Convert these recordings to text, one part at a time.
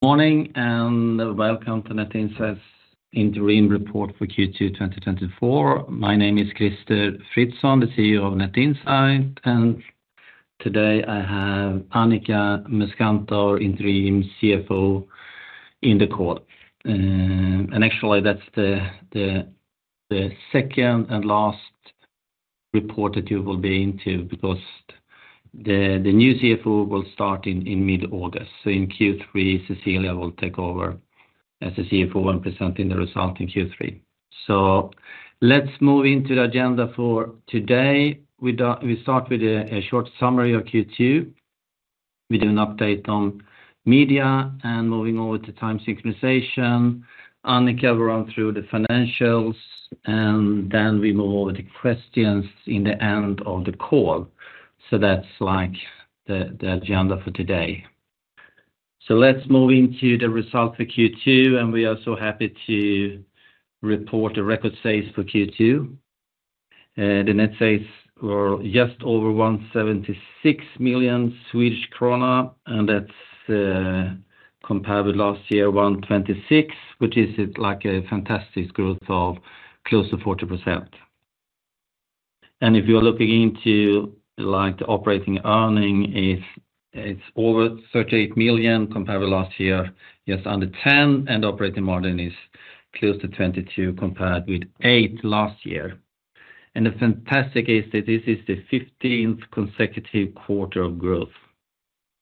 Morning, and welcome to Net Insight's interim report for Q2 2024. My name is Crister Fritzson, the CEO of Net Insight, and today I have Annika Muskantor, interim CFO, in the call. And actually, that's the second and last report that you will be into because the new CFO will start in mid-August. So in Q3, Cecilia will take over as the CFO and presenting the result in Q3. So let's move into the agenda for today. We start with a short summary of Q2. We do an update on media and moving over to time synchronization. Annika will run through the financials, and then we move over to questions in the end of the call. So that's, like, the agenda for today. So let's move into the results for Q2, and we are so happy to report a record sales for Q2. The net sales were just over 176 million Swedish krona, and that's compared with last year, 126, which is like a fantastic growth of close to 40%. And if you are looking into, like, the operating earning is, it's over 38 million, compared with last year, just under 10, and operating margin is close to 22, compared with 8 last year. And the fantastic is that this is the 15th consecutive quarter of growth,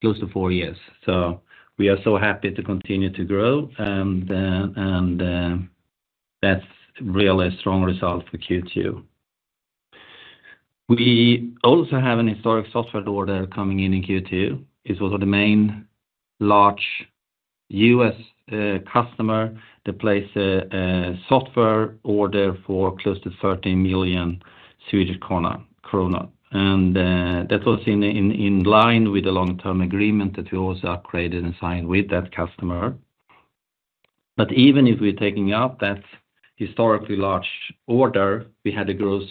close to 4 years. So we are so happy to continue to grow, and that's really a strong result for Q2. We also have an historic software order coming in in Q2. It's also the main large US customer to place a software order for close to 13 million Swedish krona. that was in line with the long-term agreement that we also created and signed with that customer. But even if we're taking out that historically large order, we had a growth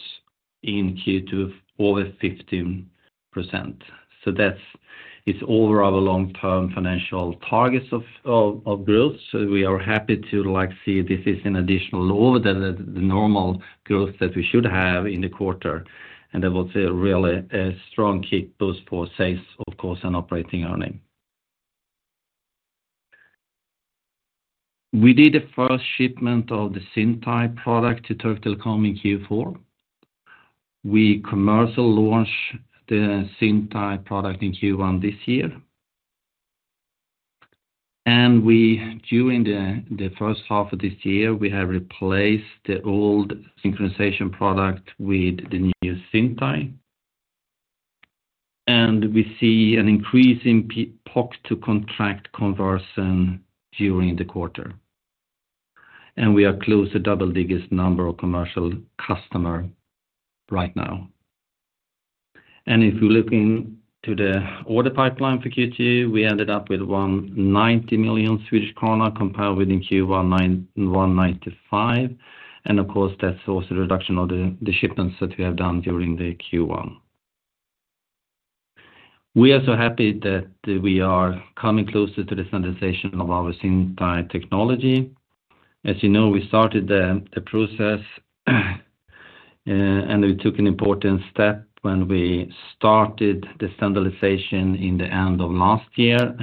in Q2 of over 15%. So that's- it's over our long-term financial targets of growth. So we are happy to, like, see this is an additional over the normal growth that we should have in the quarter, and I would say a really strong kick boost for sales, of course, and operating earnings. We did a first shipment of the Zyntai product to Türk Telekom in Q4. We commercial launch the Zyntai product in Q1 this year. And we, during the first half of this year, we have replaced the old synchronization product with the new Zyntai. We see an increase in POC to contract conversion during the quarter, and we are close to double digits number of commercial customer right now. If you're looking to the order pipeline for Q2, we ended up with 190 million Swedish krona, compared with Q1 195 million, and of course, that's also a reduction of the shipments that we have done during the Q1. We are so happy that we are coming closer to the standardization of our Zyntai technology. As you know, we started the process, and we took an important step when we started the standardization at the end of last year.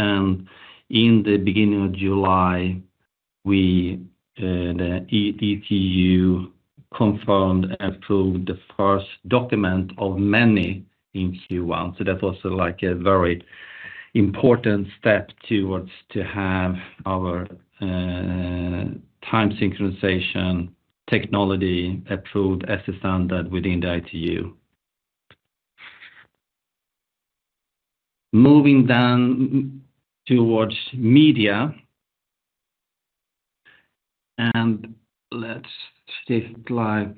In the beginning of July, the ITU confirmed and approved the first document of many in Q1. So that was, like, a very important step towards to have our time synchronization technology approved as a standard within the ITU. Moving down towards media. And let's see, like,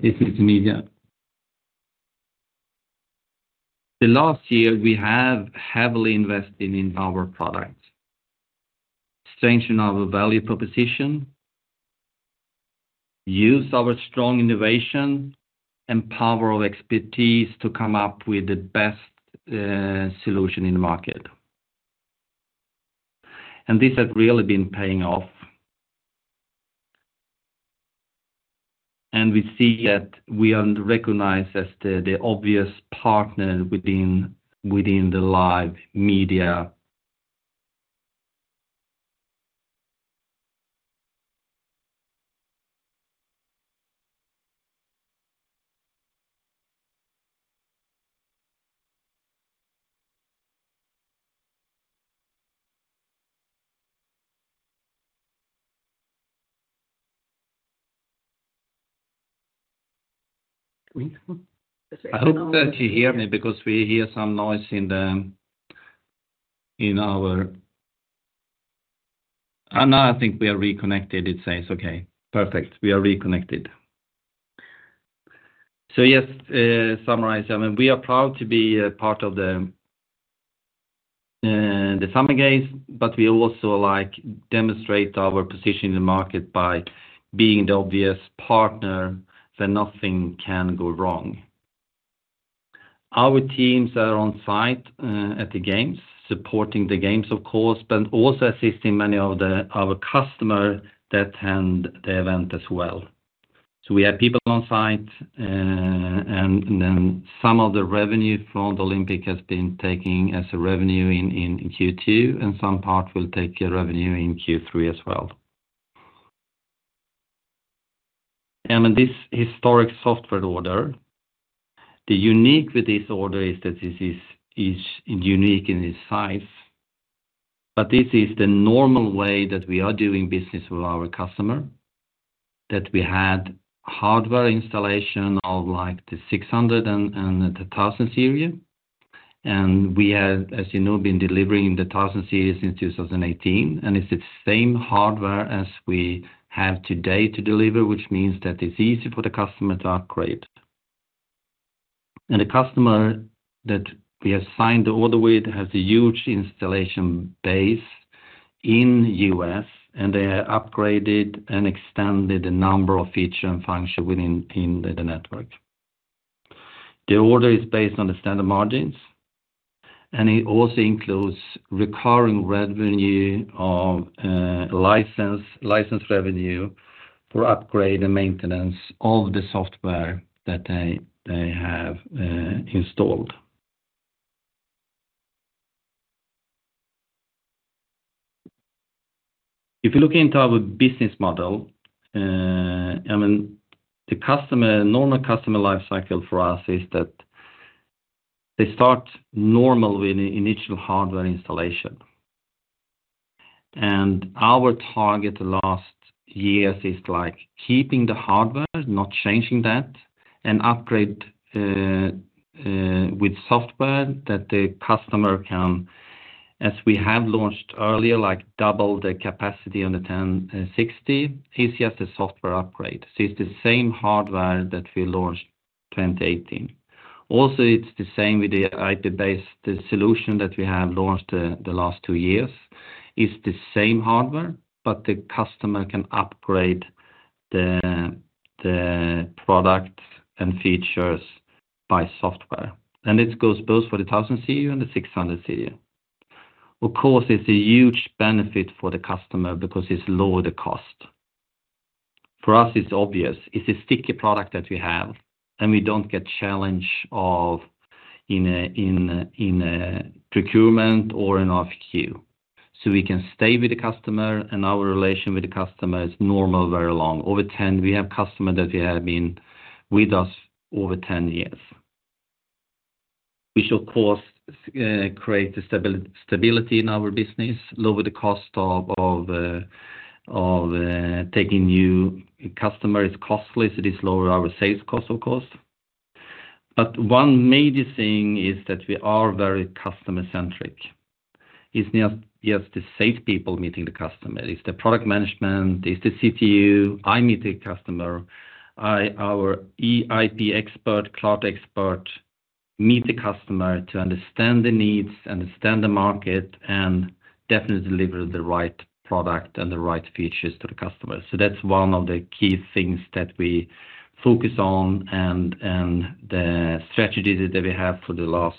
this is media. The last year, we have heavily invested in our products, strengthen our value proposition, use our strong innovation and power of expertise to come up with the best solution in the market. And this has really been paying off. And we see that we are recognized as the obvious partner within the live media. I hope that you hear me, because we hear some noise in the, in our... And now I think we are reconnected. It says, okay, perfect. We are reconnected. So yes, summarize, I mean, we are proud to be a part of the... the Summer Games, but we also like demonstrate our position in the market by being the obvious partner, then nothing can go wrong. Our teams are on site at the games, supporting the games, of course, but also assisting many of our customers that attend the event as well. So we have people on site, and then some of the revenue from the Olympic has been taking as a revenue in Q2, and some part will take a revenue in Q3 as well. I mean, this historic software order, the unique with this order is that this is unique in its size, but this is the normal way that we are doing business with our customer, that we had hardware installation of, like, the 600 and the 1000 series. And we have, as you know, been delivering the 1000 series since 2018, and it's the same hardware as we have today to deliver, which means that it's easy for the customer to upgrade. And the customer that we have signed the order with has a huge installation base in U.S., and they have upgraded and extended the number of feature and function within, in the network. The order is based on the standard margins, and it also includes recurring revenue of license revenue for upgrade and maintenance of the software that they have installed. If you look into our business model, I mean, the normal customer life cycle for us is that they start normal with an initial hardware installation. Our target the last years is, like, keeping the hardware, not changing that, and upgrade with software that the customer can, as we have launched earlier, like, double the capacity on the 1000 and 600. It's just a software upgrade, so it's the same hardware that we launched 2018. Also, it's the same with the IP-based, the solution that we have launched, the last two years. It's the same hardware, but the customer can upgrade the, the products and features by software. And this goes both for the 1000 and the 600. Of course, it's a huge benefit for the customer because it's lower the cost. For us, it's obvious. It's a sticky product that we have, and we don't get challenge of in a, in a, in a procurement or in RFQ. We can stay with the customer, and our relation with the customer is normal, very long. Over 10, we have customer that have been with us over 10 years. We, of course, create stability in our business, lower the cost of taking new customers. It's costly, so this lower our sales cost, of course. But one major thing is that we are very customer-centric. It's not just the sales people meeting the customer, it's the product management, it's the CTU. I meet the customer. I, our IP expert, cloud expert, meet the customer to understand the needs, understand the market, and definitely deliver the right product and the right features to the customer. So that's one of the key things that we focus on, and the strategies that we have for the last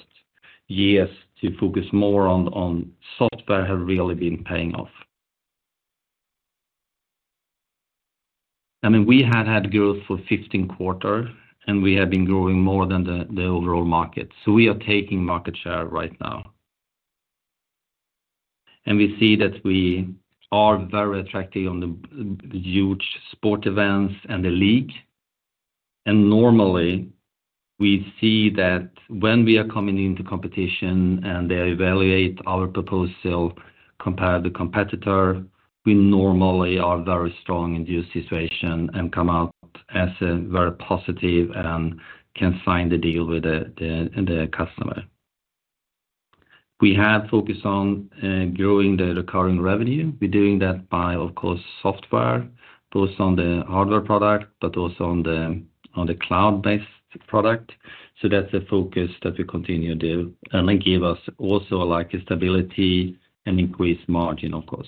years to focus more on software have really been paying off. I mean, we have had growth for 15 quarters, and we have been growing more than the overall market. So we are taking market share right now. And we see that we are very attractive on the huge sport events and the league. And normally, we see that when we are coming into competition and they evaluate our proposal, compare the competitor, we normally are very strong in the situation and come out as a very positive and can sign the deal with the customer. We have focused on growing the recurring revenue. We're doing that by, of course, software, both on the hardware product, but also on the, on the cloud-based product. So that's the focus that we continue to do and then give us also, like, a stability and increased margin, of course.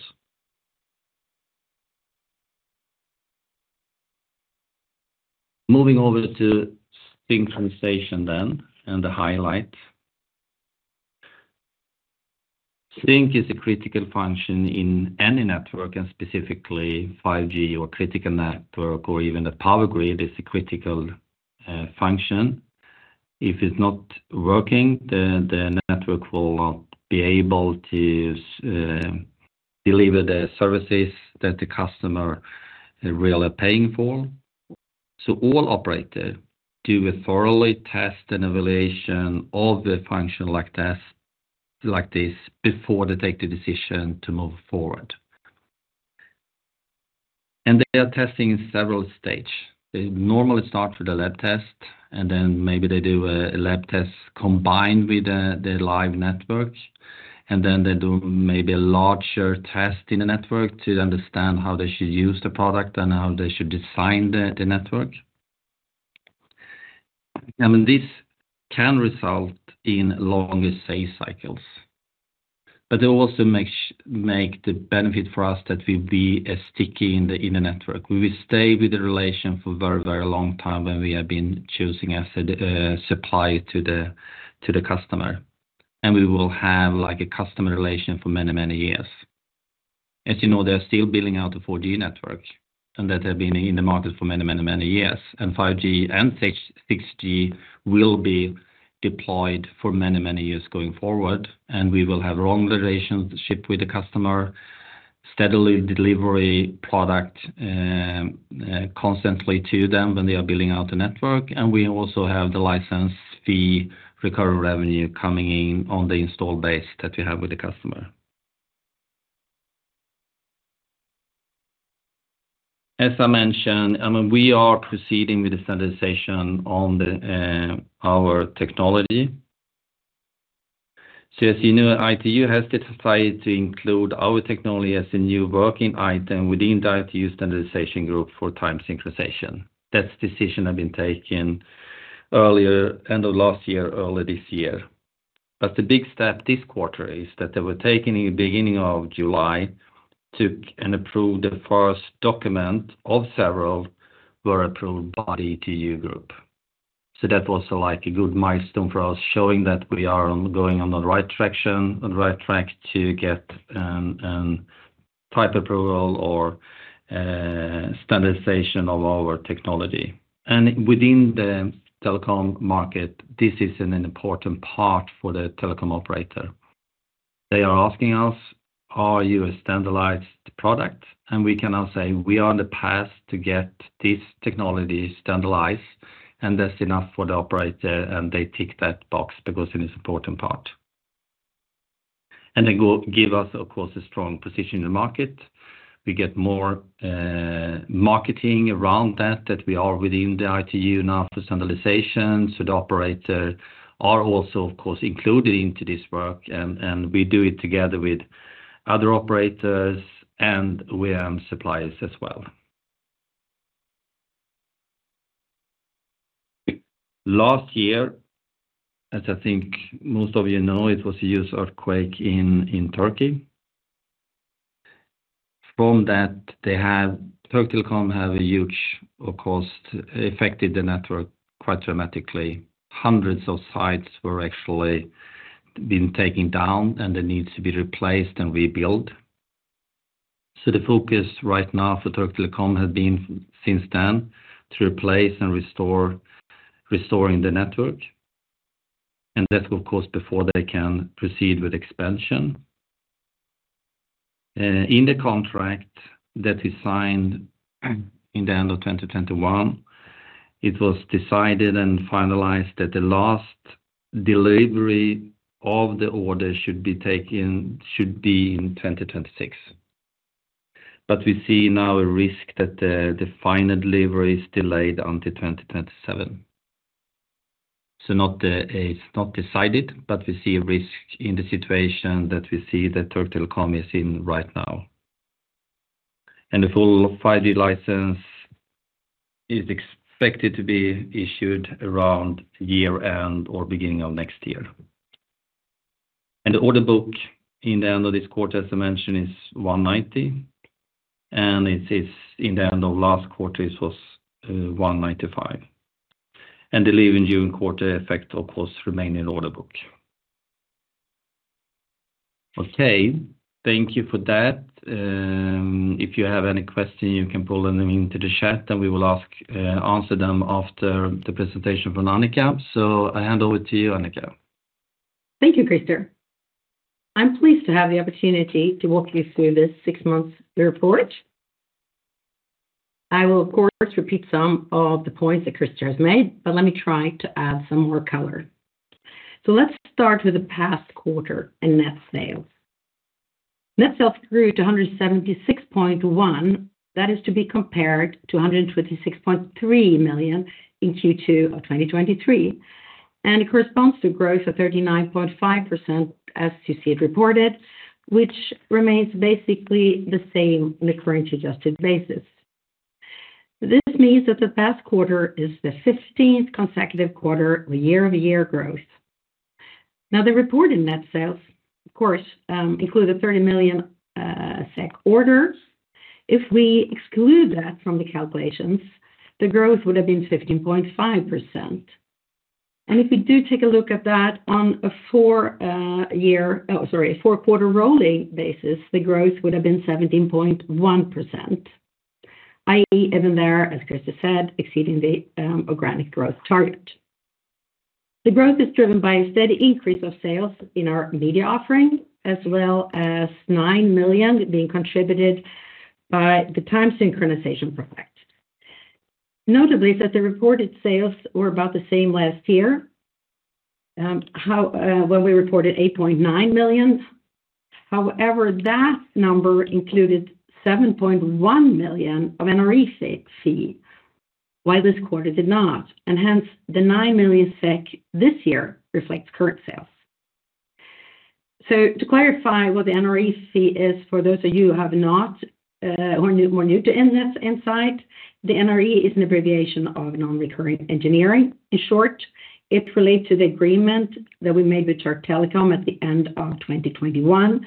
Moving over to synchronization then, and the highlight. Sync is a critical function in any network, and specifically 5G or critical network or even a power grid, is a critical function. If it's not working, then the network will not be able to deliver the services that the customer is really paying for. So all operator do a thoroughly test and evaluation of the function like this, like this, before they take the decision to move forward. And they are testing in several stage. They normally start with a lab test, and then maybe they do a lab test combined with the live network. Then they do maybe a larger test in the network to understand how they should use the product and how they should design the network. I mean, this can result in longer sales cycles, but it also makes the benefit for us that we be sticky in the network. We will stay with the relation for a very, very long time when we have been choosing as a supplier to the customer, and we will have like a customer relation for many, many years. As you know, they are still building out the 4G network, and that they've been in the market for many, many, many years. 5G and 6G will be deployed for many, many years going forward, and we will have long relationship with the customer, steady delivery product constantly to them when they are building out the network. We also have the license fee, recurring revenue coming in on the install base that we have with the customer. As I mentioned, I mean, we are proceeding with the standardization on our technology. So as you know, ITU has decided to include our technology as a new working item within the ITU standardization group for time synchronization. That decision has been taken earlier, end of last year, early this year. But the big step this quarter is that they took in the beginning of July and approved the first document of several that were approved by the ITU group. So that was like a good milestone for us, showing that we are on the right track to get type approval or standardization of our technology. And within the telecom market, this is an important part for the telecom operator. They are asking us, "Are you a standardized product?" And we cannot say, we are on the path to get this technology standardized, and that's enough for the operator, and they tick that box because it is important part. And they give us, of course, a strong position in the market. We get more marketing around that, that we are within the ITU now for standardization. So the operator are also, of course, included into this work, and we do it together with other operators and with suppliers as well. Last year, as I think most of you know, it was a huge earthquake in Turkey. From that, they have, Türk Telekom have a huge, of course, affected the network quite dramatically. Hundreds of sites were actually been taken down, and they needs to be replaced and rebuilt. So the focus right now for Türk Telekom has been since then, to replace and restore, restoring the network. And that, of course, before they can proceed with expansion. In the contract that is signed, in the end of 2021, it was decided and finalized that the last delivery of the order should be taken, should be in 2026. But we see now a risk that the final delivery is delayed until 2027. So not, it's not decided, but we see a risk in the situation that we see that Türk Telekom is in right now. And the full 5G license is expected to be issued around year end or beginning of next year. And the order book in the end of this quarter, as I mentioned, is 190, and it is in the end of last quarter, it was 195. And delivery in June quarter affect, of course, remaining order book. Okay, thank you for that. If you have any question, you can pull them into the chat, and we will answer them after the presentation from Annika. So I hand over to you, Annika. Thank you, Crister. I'm pleased to have the opportunity to walk you through this six months report. I will, of course, repeat some of the points that Crister has made, but let me try to add some more color. So let's start with the past quarter in net sales. Net sales grew to 176.1 million. That is to be compared to 126.3 million in Q2 of 2023, and it corresponds to growth of 39.5%, as you see it reported, which remains basically the same in the current adjusted basis. This means that the past quarter is the 15th consecutive quarter of year-over-year growth. Now, the reported net sales, of course, include a 30 million SEK order. If we exclude that from the calculations, the growth would have been 15.5%. And if we do take a look at that on a four-quarter rolling basis, the growth would have been 17.1%, i.e., even there, as Crister said, exceeding the organic growth target. The growth is driven by a steady increase of sales in our media offering, as well as 9 million being contributed by the time synchronization project. Notably, that the reported sales were about the same last year. When we reported 8.9 million, however, that number included 7.1 million of NRE fee, while this quarter did not, and hence the 9 million SEK this year reflects current sales. So to clarify what the NRE fee is, for those of you who have not or new, more new to Net Insight, the NRE is an abbreviation of non-recurring engineering. In short, it relates to the agreement that we made with Türk Telekom at the end of 2021,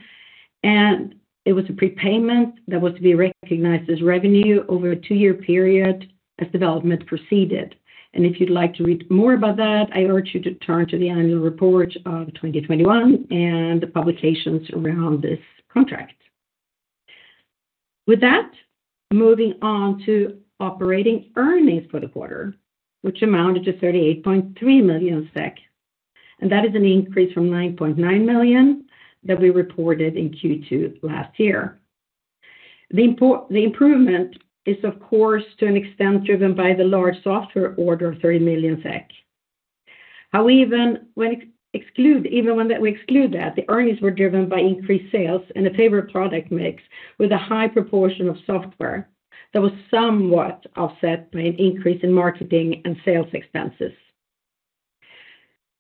and it was a prepayment that was to be recognized as revenue over a two-year period as development proceeded. If you'd like to read more about that, I urge you to turn to the annual report of 2021 and the publications around this contract. With that, moving on to operating earnings for the quarter, which amounted to 38.3 million SEK, and that is an increase from 9.9 million that we reported in Q2 last year. The improvement is, of course, to an extent, driven by the large software order of 30 million SEK. Even when we exclude that, the earnings were driven by increased sales and a favorable product mix with a high proportion of software that was somewhat offset by an increase in marketing and sales expenses.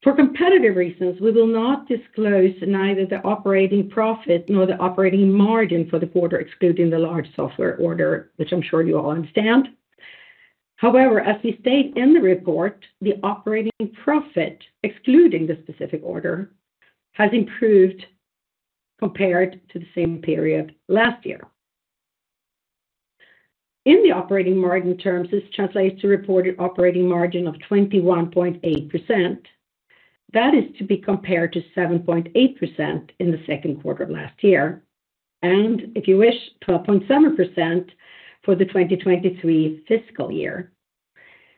For competitive reasons, we will neither disclose the operating profit nor the operating margin for the quarter, excluding the large software order, which I'm sure you all understand. However, as we state in the report, the operating profit, excluding the specific order, has improved compared to the same period last year. In the operating margin terms, this translates to reported operating margin of 21.8%. That is to be compared to 7.8% in the second quarter of last year, and if you wish, 12.7% for the 2023 fiscal year.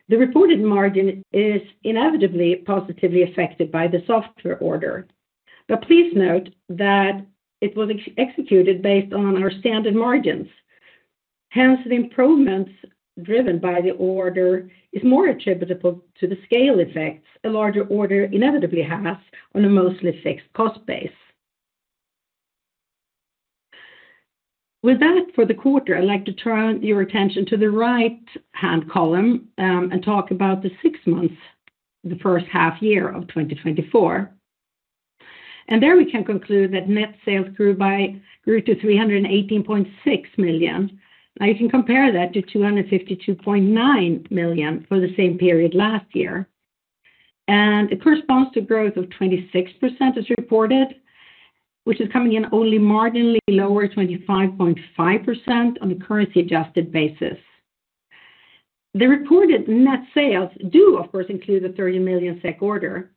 The reported margin is inevitably positively affected by the software order, but please note that it was executed based on our standard margins. Hence, the improvements driven by the order is more attributable to the scale effects a larger order inevitably has on a mostly fixed cost base. With that, for the quarter, I'd like to turn your attention to the right-hand column, and talk about the six months, the first half year of 2024. There we can conclude that net sales grew to 318.6 million. Now you can compare that to 252.9 million for the same period last year. It corresponds to growth of 26% as reported, which is coming in only marginally lower, 25.5% on a currency-adjusted basis. The reported net sales do, of course, include the 30 million SEK order.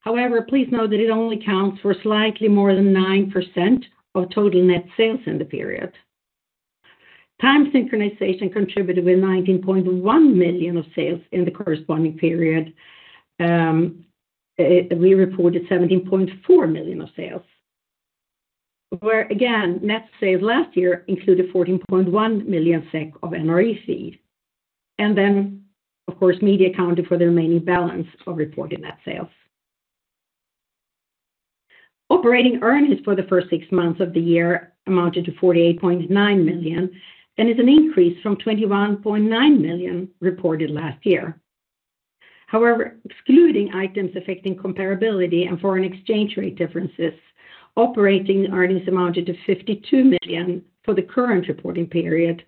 However, please note that it only counts for slightly more than 9% of total net sales in the period. Time synchronization contributed with 19.1 million of sales in the corresponding period, we reported 17.4 million of sales, where, again, net sales last year included 14.1 million SEK of NRE fee. Then, of course, media accounted for the remaining balance of reported net sales. Operating earnings for the first six months of the year amounted to 48.9 million, and is an increase from 21.9 million reported last year. However, excluding items affecting comparability and foreign exchange rate differences, operating earnings amounted to 52 million for the current reporting period.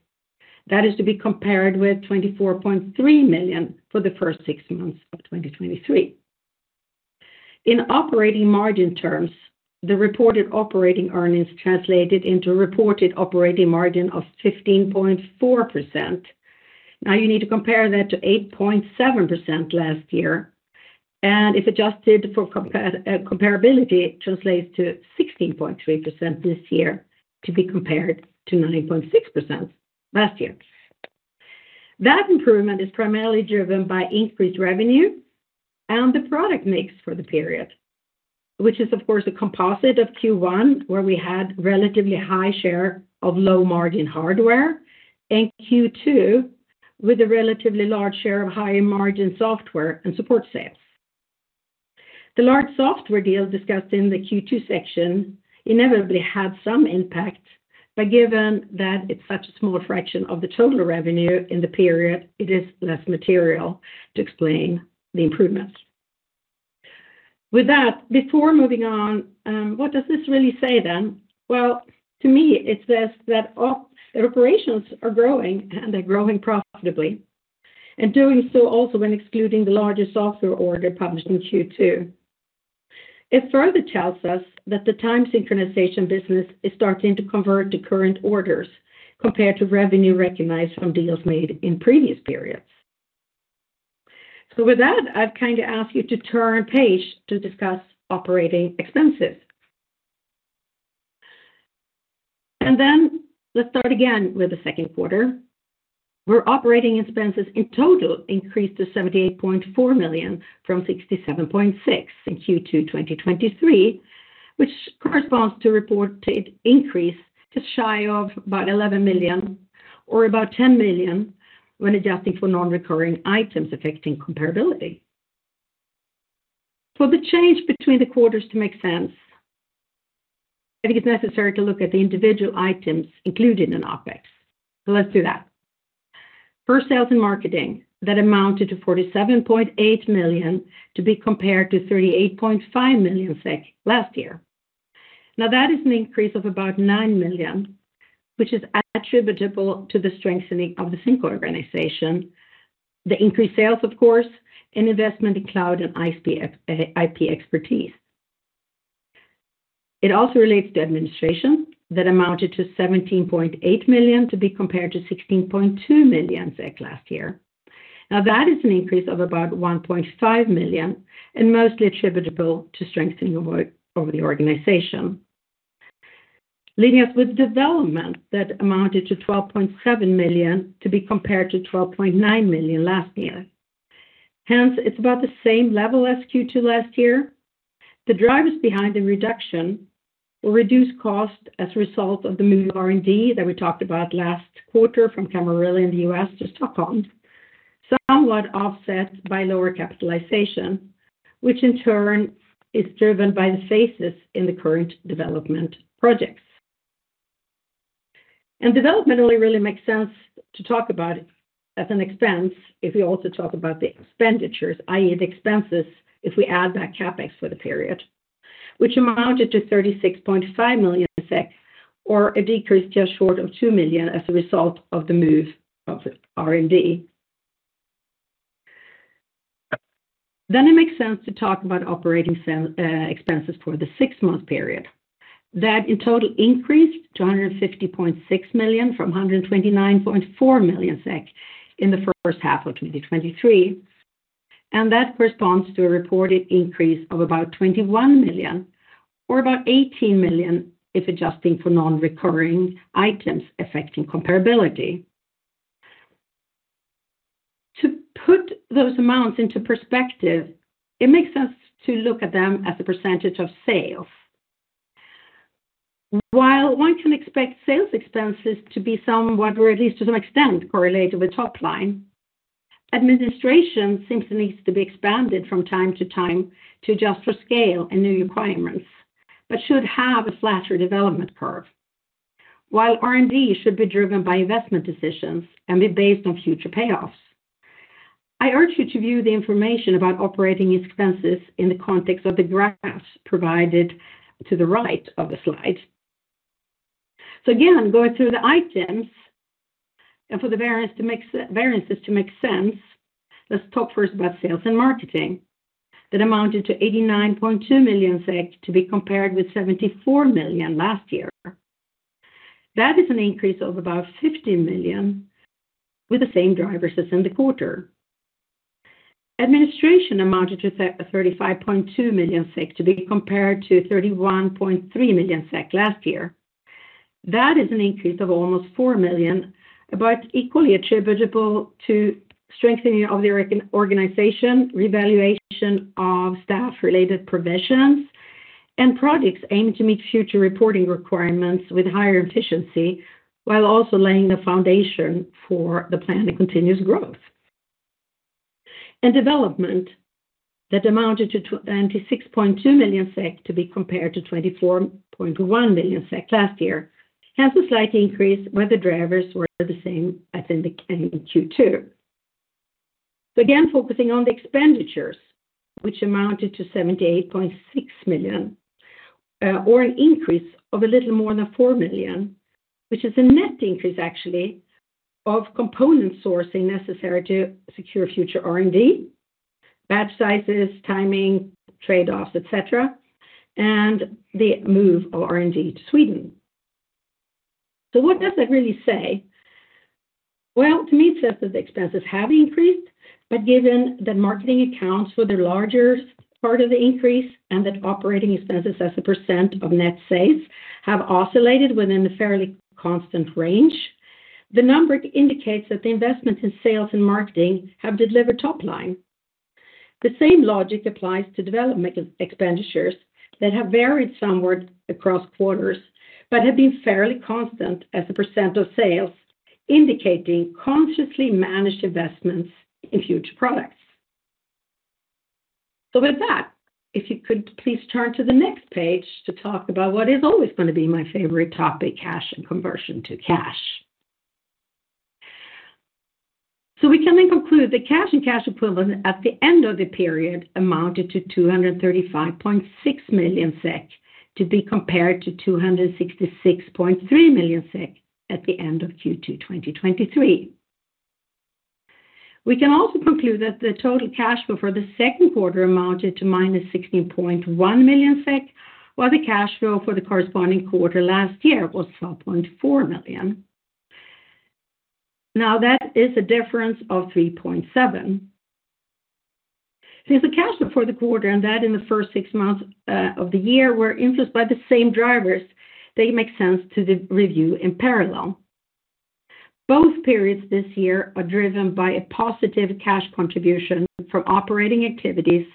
That is to be compared with 24.3 million for the first six months of 2023. In operating margin terms, the reported operating earnings translated into a reported operating margin of 15.4%. Now, you need to compare that to 8.7% last year, and if adjusted for comparability, it translates to 16.3% this year, to be compared to 9.6% last year. That improvement is primarily driven by increased revenue and the product mix for the period, which is, of course, a composite of Q1, where we had relatively high share of low-margin hardware, and Q2, with a relatively large share of high-margin software and support sales. The large software deal discussed in the Q2 section inevitably had some impact, but given that it's such a small fraction of the total revenue in the period, it is less material to explain the improvements. With that, before moving on, what does this really say then? Well, to me, it says that, the operations are growing, and they're growing profitably, and doing so also when excluding the larger software order published in Q2. It further tells us that the time synchronization business is starting to convert to current orders, compared to revenue recognized from deals made in previous periods. So with that, I'd kind of ask you to turn page to discuss operating expenses. Then let's start again with the second quarter, where operating expenses in total increased to 78.4 million from 67.6 million in Q2 2023, which corresponds to reported increase to shy of about 11 million, or about 10 million when adjusting for non-recurring items affecting comparability. For the change between the quarters to make sense, I think it's necessary to look at the individual items included in OpEx. So let's do that... For sales and marketing, that amounted to 47.8 million, to be compared to 38.5 million SEK last year. Now, that is an increase of about 9 million, which is attributable to the strengthening of the sync organization, the increased sales, of course, and investment in cloud and IP expertise. It also relates to administration that amounted to 17.8 million, to be compared to 16.2 million SEK last year. Now, that is an increase of about 1.5 million, and mostly attributable to strengthening of work of the organization. Leading us with development that amounted to 12.7 million, to be compared to 12.9 million last year. Hence, it's about the same level as Q2 last year. The drivers behind the reduction will reduce cost as a result of the move R&D that we talked about last quarter from Camarillo in the U.S. to Stockholm, somewhat offset by lower capitalization, which in turn is driven by the phases in the current development projects. Development only really makes sense to talk about as an expense if we also talk about the expenditures, i.e., the expenses, if we add that CapEx for the period, which amounted to 36.5 million SEK, or a decrease just short of 2 million as a result of the move of the R&D. Then it makes sense to talk about operating sale expenses for the six-month period. That in total increased to 150.6 million from 129.4 million SEK in the first half of 2023, and that corresponds to a reported increase of about 21 million, or about 18 million, if adjusting for non-recurring items affecting comparability. To put those amounts into perspective, it makes sense to look at them as a percentage of sales. While one can expect sales expenses to be somewhat, or at least to some extent, correlated with top line, administration seems to need to be expanded from time to time to adjust for scale and new requirements, but should have a flatter development curve. While R&D should be driven by investment decisions and be based on future payoffs. I urge you to view the information about operating expenses in the context of the graphs provided to the right of the slide. So again, going through the items and for the variance to make sense, variances to make sense, let's talk first about sales and marketing. That amounted to 89.2 million SEK, to be compared with 74 million last year. That is an increase of about 15 million with the same drivers as in the quarter. Administration amounted to 35.2 million SEK, to be compared to 31.3 million SEK last year. That is an increase of almost 4 million, but equally attributable to strengthening of the organization, revaluation of staff-related provisions, and projects aimed to meet future reporting requirements with higher efficiency, while also laying the foundation for the plan to continuous growth. Development that amounted to 26.2 million SEK, to be compared to 24.1 million SEK last year, has a slight increase, where the drivers were the same as in the Q2. Again, focusing on the expenditures, which amounted to 78.6 million, or an increase of a little more than 4 million, which is a net increase, actually, of component sourcing necessary to secure future R&D, batch sizes, timing, trade-offs, et cetera, and the move of R&D to Sweden. So what does that really say? Well, to me, it says that the expenses have increased, but given that marketing accounts for the larger part of the increase and that operating expenses as a % of net sales have oscillated within a fairly constant range, the number indicates that the investment in sales and marketing have delivered top line. The same logic applies to development expenditures that have varied somewhat across quarters, but have been fairly constant as a % of sales, indicating consciously managed investments in future products. So with that, if you could please turn to the next page to talk about what is always going to be my favorite topic, cash and conversion to cash. So we can then conclude the cash and cash equivalent at the end of the period amounted to 235.6 million SEK, to be compared to 266.3 million SEK at the end of Q2 2023. We can also conclude that the total cash flow for the second quarter amounted to -16.1 million SEK, while the cash flow for the corresponding quarter last year was 12.4 million. Now, that is a difference of 3.7. Since the cash flow for the quarter and that in the first six months of the year were influenced by the same drivers, they make sense to the review in parallel. Both periods this year are driven by a positive cash contribution from operating activities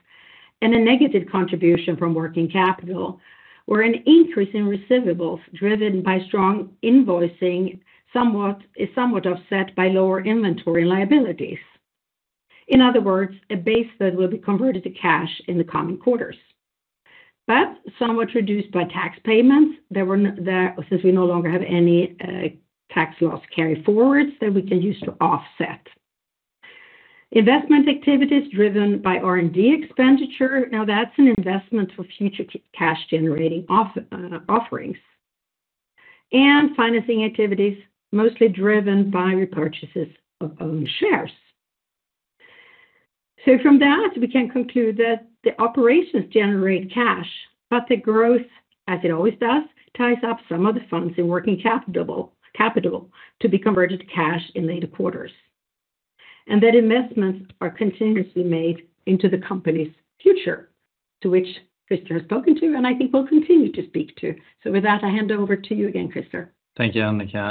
and a negative contribution from working capital, where an increase in receivables driven by strong invoicing somewhat offset by lower inventory and liabilities. In other words, a base that will be converted to cash in the coming quarters. But somewhat reduced by tax payments that since we no longer have any tax loss carryforwards that we can use to offset. Investment activities driven by R&D expenditure, now that's an investment for future cash-generating offerings. And financing activities, mostly driven by repurchases of own shares. So from that, we can conclude that the operations generate cash, but the growth, as it always does, ties up some of the funds in working capital, capital to be converted to cash in later quarters. That investments are continuously made into the company's future, to which Crister has spoken to, and I think will continue to speak to. With that, I hand over to you again, Crister. Thank you, Annika.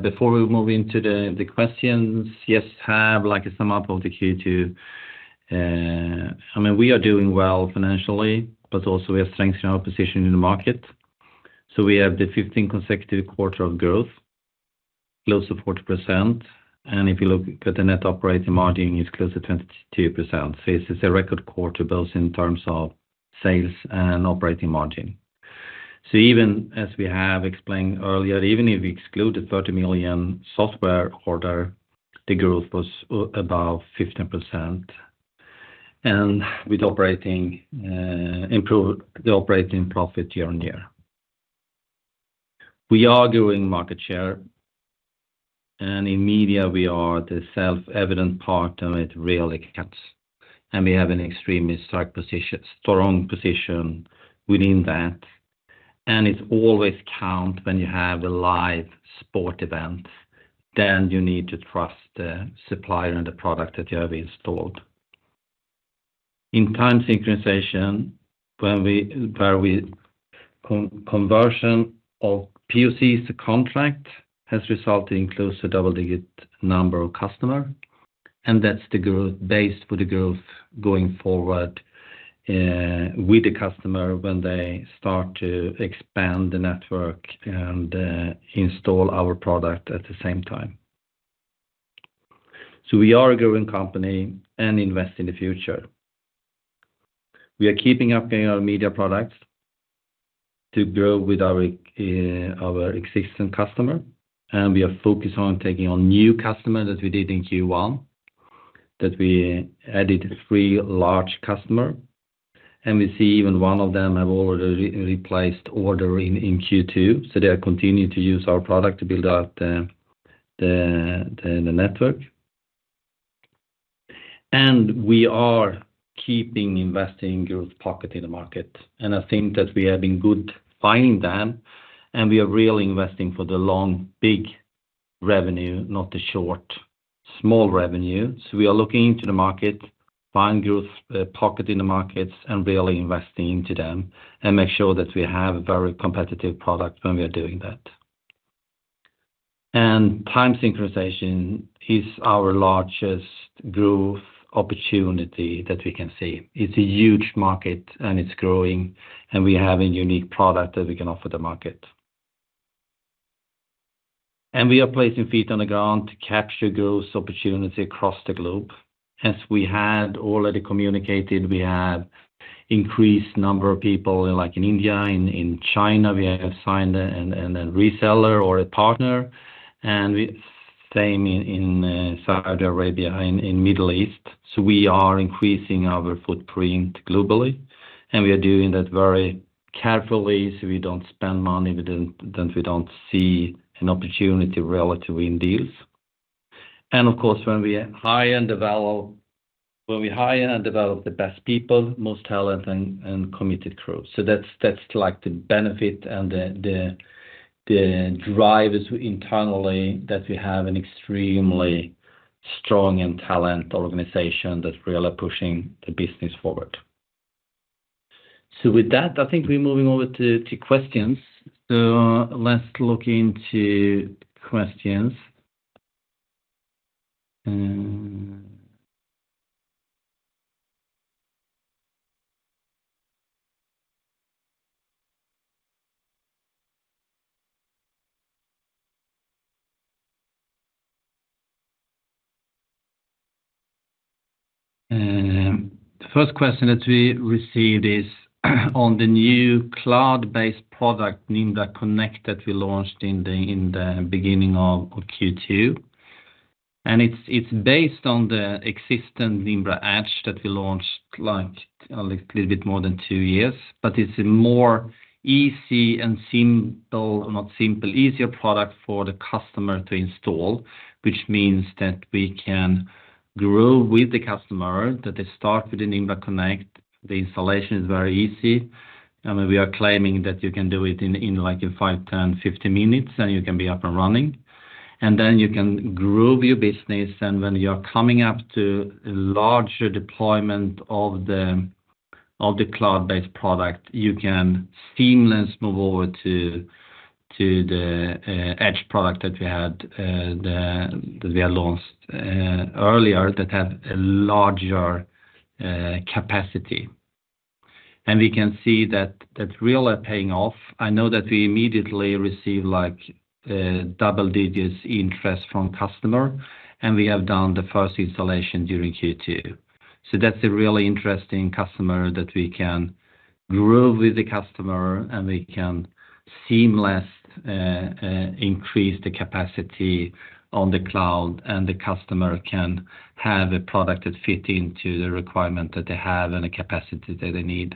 Before we move into the questions, just have like a sum up of the Q2. I mean, we are doing well financially, but also we are strengthening our position in the market. So we have the 15 consecutive quarter of growth, close to 40%, and if you look at the net operating margin, it's close to 22%. So this is a record quarter, both in terms of sales and operating margin. So even as we have explained earlier, even if we exclude the 30 million software order, the growth was about 15%, and with operating, improved the operating profit year on year. We are growing market share, and in media, we are the self-evident part, and it really counts. And we have an extremely strong position, strong position within that. It always counts when you have a live sports event, then you need to trust the supplier and the product that you have installed. In time synchronization, the conversion of POCs to contracts has resulted in close to double-digit number of customers, and that's the growth base for the growth going forward, with the customer when they start to expand the network and install our product at the same time. So we are a growing company and invest in the future. We are keeping updating our media products to grow with our existing customer, and we are focused on taking on new customer that we did in Q1, that we added three large customer, and we see even one of them have already replaced order in Q2, so they are continuing to use our product to build out the network. And we are keeping investing growth pocket in the market, and I think that we are doing good finding them, and we are really investing for the long, big revenue, not the short, small revenue. So we are looking into the market, finding growth pocket in the markets, and really investing into them, and make sure that we have a very competitive product when we are doing that. And time synchronization is our largest growth opportunity that we can see. It's a huge market, and it's growing, and we have a unique product that we can offer the market. We are placing feet on the ground to capture growth opportunity across the globe. As we had already communicated, we have increased number of people, like in India, in China, we have signed a reseller or a partner, and same in Saudi Arabia and in Middle East. So we are increasing our footprint globally, and we are doing that very carefully, so we don't spend money that we don't see an opportunity relative in deals. And of course, when we hire and develop the best people, most talent and committed crew. So that's like the benefit and the drivers internally, that we have an extremely strong and talented organization that's really pushing the business forward. So with that, I think we're moving over to questions. So let's look into questions. The first question that we received is on the new cloud-based product, Nimbra Connect, that we launched in the beginning of Q2. It's based on the existing Nimbra Edge that we launched like a little bit more than 2 years, but it's a more easy and simple, not simple, easier product for the customer to install, which means that we can grow with the customer, that they start with the Nimbra Connect. The installation is very easy. I mean, we are claiming that you can do it in, like, in 5, 10, 15 minutes, and you can be up and running. And then you can grow your business, and when you are coming up to a larger deployment of the, of the cloud-based product, you can seamlessly move over to the Edge product that we had, the- that we had launched earlier, that had a larger capacity. And we can see that, that's really paying off. I know that we immediately received, like, double digits interest from customer, and we have done the first installation during Q2. So that's a really interesting customer that we can grow with the customer, and we can seamlessly increase the capacity on the cloud, and the customer can have a product that fit into the requirement that they have and the capacity that they need.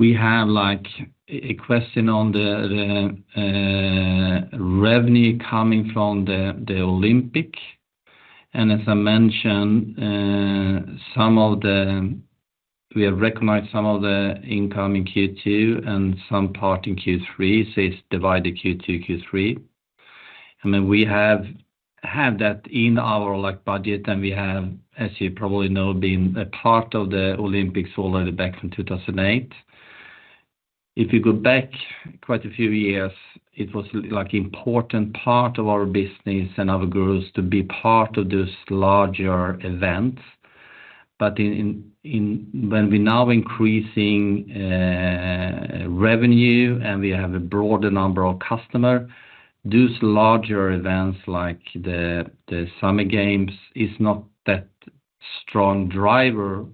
We have, like, a question on the revenue coming from the Olympics. And as I mentioned, some of the—we have recognized some of the incoming Q2 and some part in Q3, so it's divided Q2, Q3. I mean, we have had that in our, like, budget, and we have, as you probably know, been a part of the Olympics already back in 2008. If you go back quite a few years, it was, like, important part of our business and our growth to be part of this larger event. But when we're now increasing revenue, and we have a broader number of customer, those larger events, like the Summer Games, is not that strong driver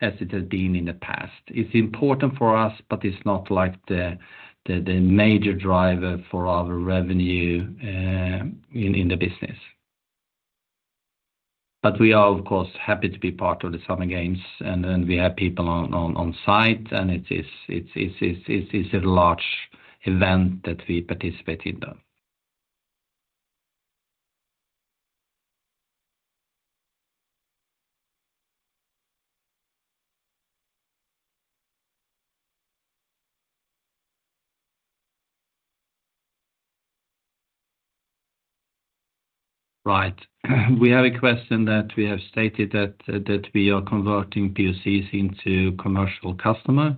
as it has been in the past. It's important for us, but it's not like the major driver for our revenue in the business. But we are, of course, happy to be part of the Summer Games, and then we have people on site, and it is a large event that we participate in, though. Right. We have a question that we have stated that we are converting POCs into commercial customer.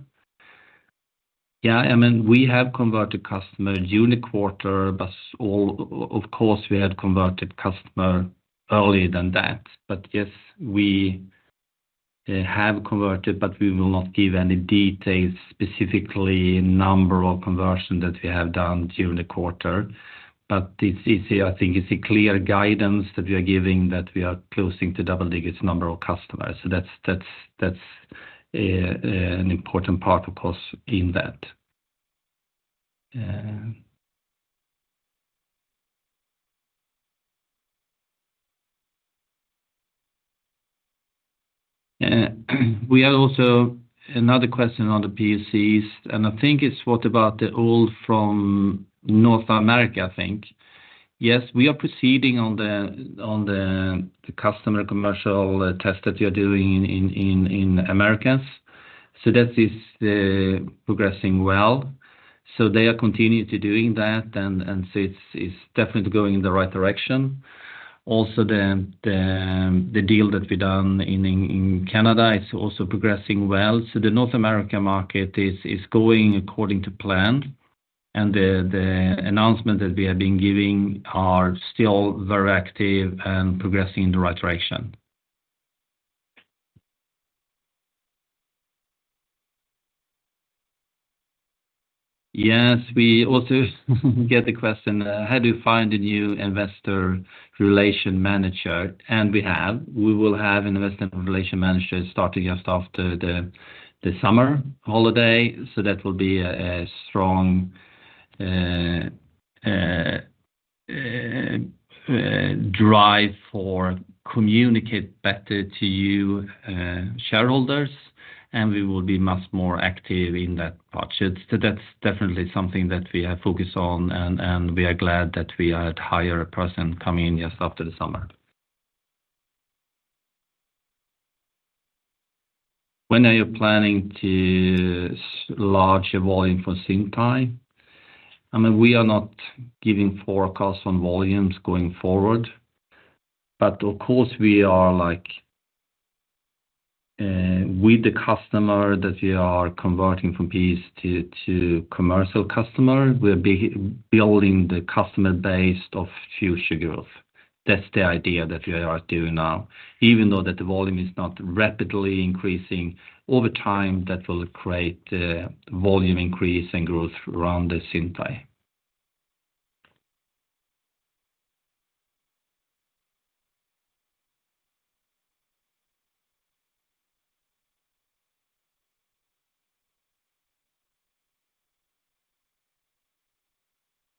Yeah, I mean, we have converted customer during the quarter, but of course, we had converted customer earlier than that. But yes, we have converted, but we will not give any details, specifically number of conversion that we have done during the quarter. But it's easy, I think it's a clear guidance that we are giving, that we are close to double digits number of customers. So that's an important part, of course, in that. We have also another question on the POCs, and I think it's what about the one from North America, I think. Yes, we are proceeding on the customer commercial test that we are doing in Americas. So that is progressing well. So they are continuing to doing that, and so it's definitely going in the right direction. Also, the deal that we done in Canada is also progressing well. So the North American market is going according to plan, and the announcement that we have been giving are still very active and progressing in the right direction. Yes, we also get the question, how do you find a new investor relation manager? And we have. We will have investment relation manager starting just after the summer holiday, so that will be a strong drive for communicate better to you, shareholders, and we will be much more active in that part. So that's definitely something that we are focused on, and we are glad that we are to hire a person coming in just after the summer. When are you planning to launch a volume for Zyntai? I mean, we are not giving forecasts on volumes going forward, but of course, we are like, with the customer that we are converting from POC to commercial customer, we're building the customer base of future growth. That's the idea that we are doing now. Even though that the volume is not rapidly increasing, over time, that will create volume increase and growth around the Zyntai.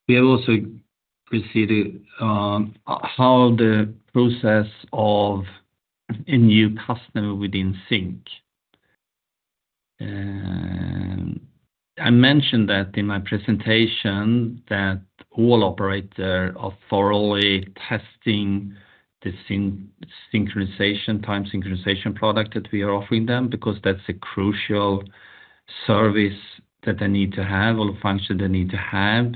We have also proceeded how the process of a new customer within sync. I mentioned that in my presentation, that all operators are thoroughly testing the synchronization, time synchronization product that we are offering them, because that's a crucial service that they need to have or function they need to have,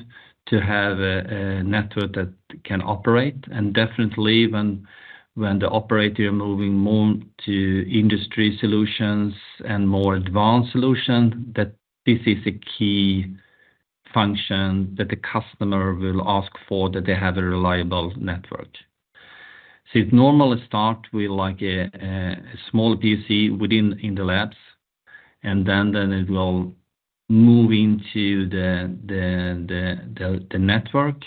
to have a network that can operate. Definitely when the operator are moving more to industry solutions and more advanced solution, that this is a key function that the customer will ask for, that they have a reliable network... So it normally start with like a small PC within the labs, and then it will move into the network,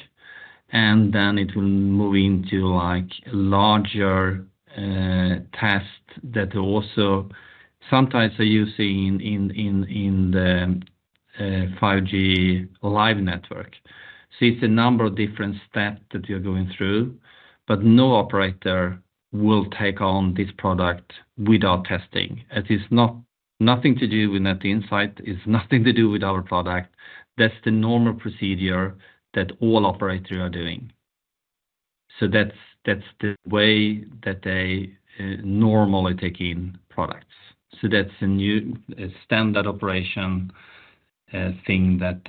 and then it will move into like larger test that also sometimes are using in the 5G live network. So it's a number of different steps that you're going through, but no operator will take on this product without testing. It is not nothing to do with Net Insight, it's nothing to do with our product. That's the normal procedure that all operators are doing. So that's the way that they normally take in products. So that's a new, standard operation thing that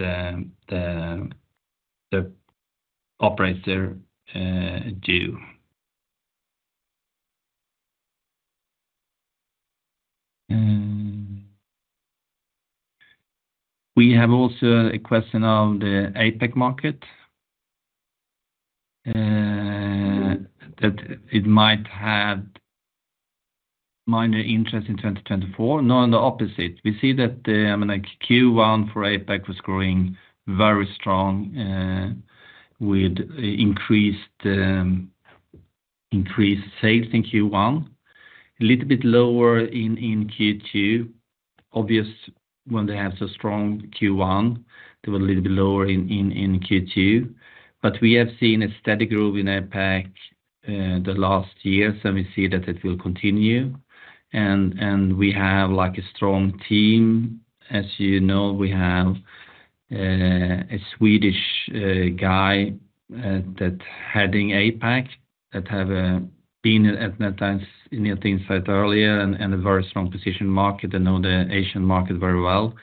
the operator do. We have also a question on the APAC market that it might have minor interest in 2024. No, on the opposite, we see that the, I mean, like Q1 for APAC was growing very strong with increased sales in Q1, a little bit lower in Q2. Obviously, when they have a strong Q1, they were a little bit lower in Q2. But we have seen a steady growth in APAC the last years, and we see that it will continue. And we have, like, a strong team. As you know, we have a Swedish guy that heading APAC, that have been at Net Insight earlier, and a very strong position market. They know the Asian market very well.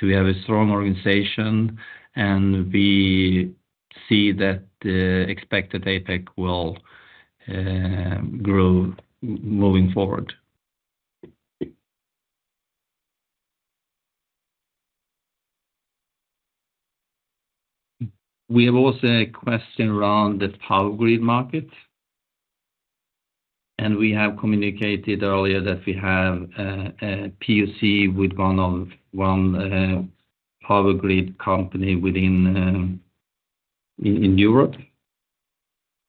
So we have a strong organization, and we see that the expected APAC will grow moving forward. We have also a question around the power grid market, and we have communicated earlier that we have a POC with one power grid company within Europe.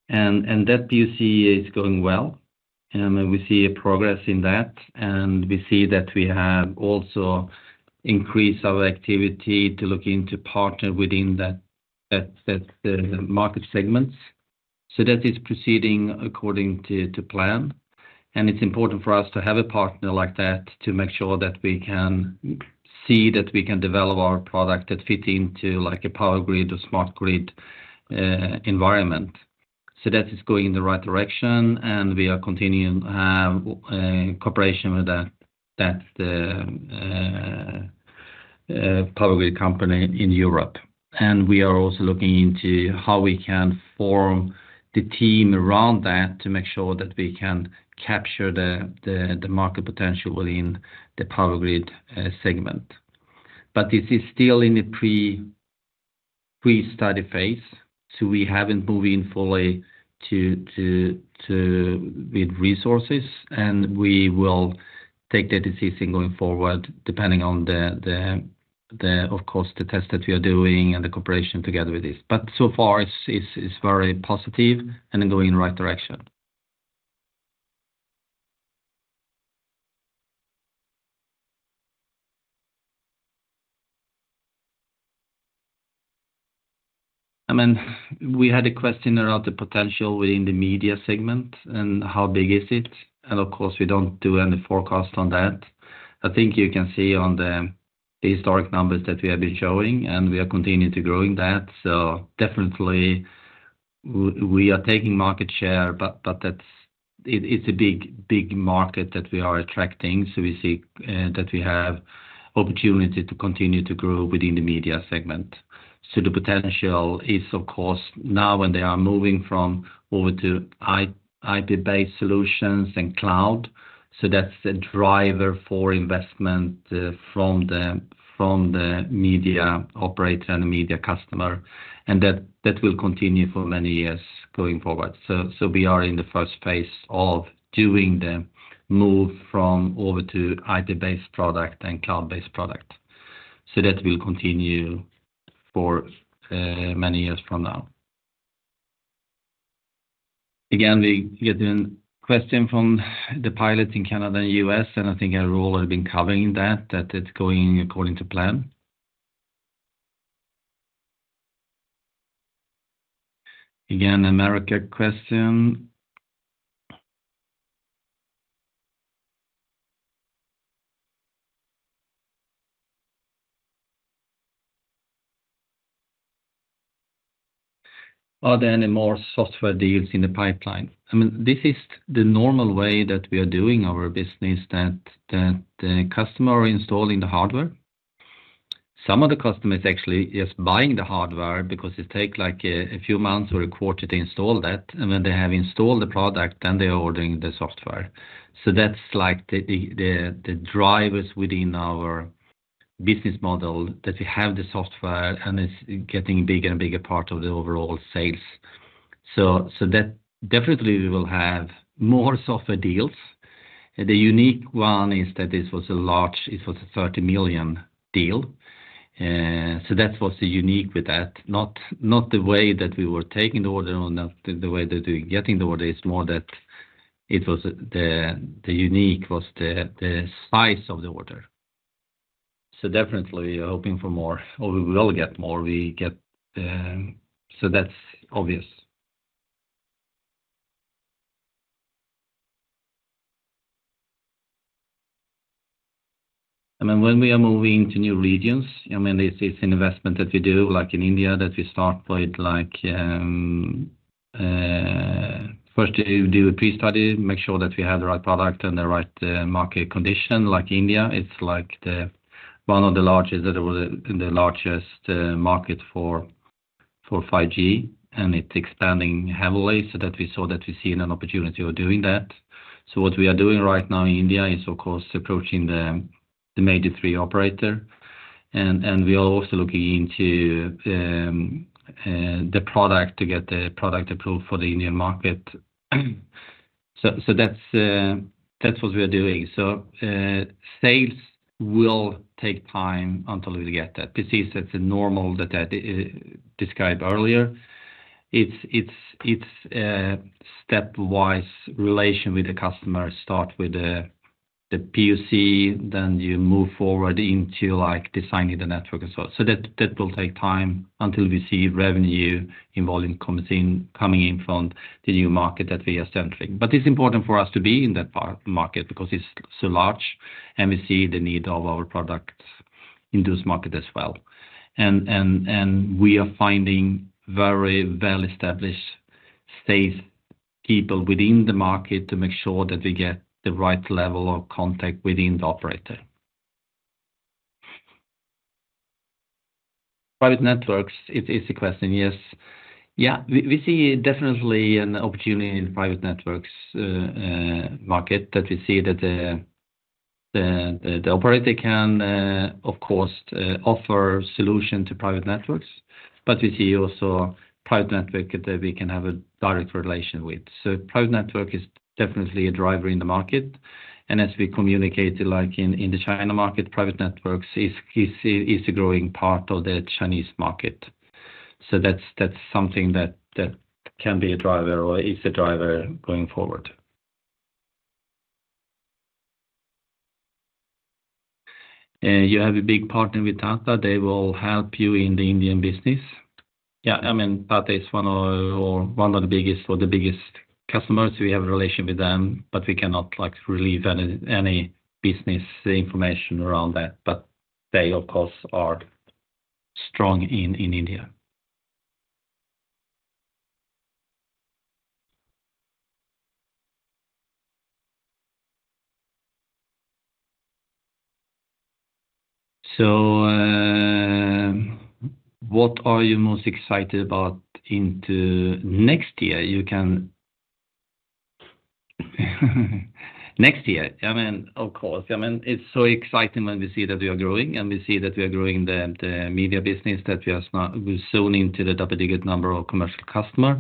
And that POC is going well, and we see a progress in that, and we see that we have also increased our activity to look into partner within that market segments. So that is proceeding according to plan, and it's important for us to have a partner like that to make sure that we can see that we can develop our product that fit into like a power grid or smart grid environment. So that is going in the right direction, and we are continuing to have cooperation with that power grid company in Europe. And we are also looking into how we can form the team around that to make sure that we can capture the market potential within the power grid segment. But this is still in a pre-study phase, so we haven't moved in fully to with resources, and we will take the decision going forward, depending on the, of course, the test that we are doing and the cooperation together with this. But so far, it's very positive and going in the right direction. I mean, we had a question about the potential within the media segment and how big is it, and of course, we don't do any forecast on that. I think you can see on the historic numbers that we have been showing, and we are continuing to growing that. So definitely, we are taking market share, but that's it, it's a big, big market that we are attracting. So we see that we have opportunity to continue to grow within the media segment. So the potential is, of course, now when they are moving from over to IP-based solutions and cloud. So that's the driver for investment from the media operator and the media customer, and that will continue for many years going forward. So we are in the first phase of doing the move from over to IP-based product and cloud-based product. So that will continue for many years from now. Again, we get a question from the pilot in Canada and U.S., and I think I have already been covering that, that it's going according to plan. Again, America question. Are there any more software deals in the pipeline? I mean, this is the normal way that we are doing our business, that the customer are installing the hardware. Some of the customers actually is buying the hardware because it take, like, a few months or a quarter to install that, and when they have installed the product, then they are ordering the software. So that's like the drivers within our business model that we have the software, and it's getting bigger and bigger part of the overall sales. So that definitely we will have more software deals. And the unique one is that this was a large—it was a 30 million deal. So that was unique with that, not the way that we were taking the order or not the way that we're getting the order. It's more that it was the unique was the size of the order. So definitely, we are hoping for more, or we will get more. We get, so that's obvious. I mean, when we are moving to new regions, I mean, it's an investment that we do, like in India, that we start with, like, first you do a pre-study, make sure that we have the right product and the right market condition. Like India, it's like one of the largest, the largest market for 5G, and it's expanding heavily so that we saw that we see an opportunity of doing that. So what we are doing right now in India is, of course, approaching the major three operators, and we are also looking into the product to get the product approved for the Indian market. So that's what we are doing. So sales will take time until we get that. This is the normal that I described earlier. It's a stepwise relation with the customer, start with the POC, then you move forward into, like, designing the network as well. So that will take time until we see revenue coming in from the new market that we are entering. But it's important for us to be in that part of the market because it's so large, and we see the need of our products in those markets as well. We are finding very well-established, safe people within the market to make sure that we get the right level of contact within the operator. Private networks, it is a question, yes. Yeah, we see definitely an opportunity in private networks market, that we see that the operator can, of course, offer solution to private networks, but we see also private network that we can have a direct relation with. So private network is definitely a driver in the market, and as we communicated, like in the China market, private networks is a growing part of the Chinese market. So that's something that can be a driver or is a driver going forward. You have a big partner with Tata. They will help you in the Indian business. Yeah, I mean, Tata is one of, or one of the biggest or the biggest customers. We have a relation with them, but we cannot, like, reveal any, any business information around that. But they, of course, are strong in, in India. So, what are you most excited about into next year? You can... Next year, I mean, of course, I mean, it's so exciting when we see that we are growing, and we see that we are growing the, the media business, that we are now soon into the double-digit number of commercial customer.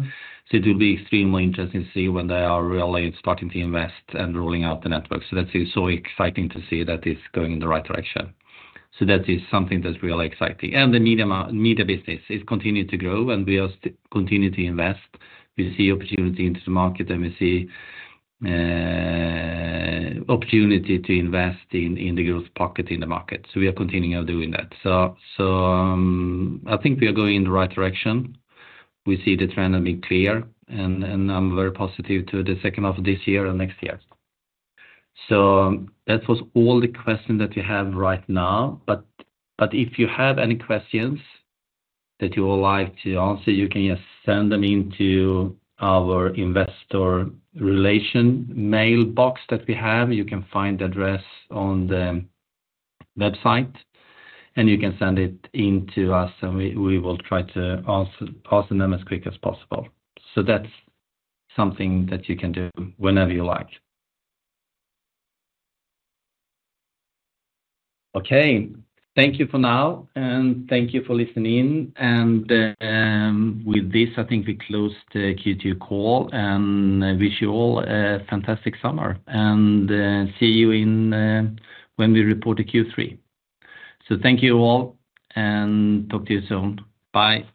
So it will be extremely interesting to see when they are really starting to invest and rolling out the network. So that is so exciting to see that it's going in the right direction. So that is something that's really exciting. The media business, it continue to grow, and we are continue to invest. We see opportunity into the market, and we see opportunity to invest in the growth pocket in the market. So we are continuing on doing that. So I think we are going in the right direction. We see the trend being clear, and I'm very positive to the second half of this year and next year. So that was all the question that we have right now, but if you have any questions that you would like to answer, you can just send them into our investor relations mailbox that we have. You can find the address on the website, and you can send it in to us, and we will try to answer them as quick as possible. That's something that you can do whenever you like. Okay, thank you for now, and thank you for listening. With this, I think we close the Q2 call, and I wish you all a fantastic summer, and see you in when we report the Q3. Thank you all, and talk to you soon. Bye.